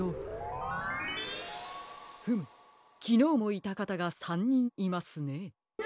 フムきのうもいたかたが３にんいますね。